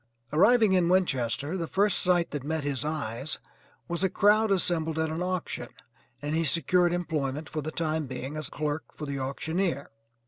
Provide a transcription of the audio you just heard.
Arriving in Winchester the first sight that met his eyes was a crowd assembled at an auction, and he secured employment for the time being as clerk for the auctioneer.